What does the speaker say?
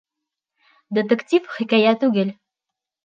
Детектив хикәйә түгел